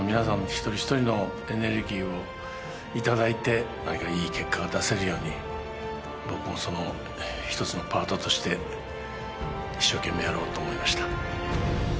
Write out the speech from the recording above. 一人一人のエネルギーをいただいて何かいい結果が出せるように僕もその一つのパートとして一生懸命やろうと思いました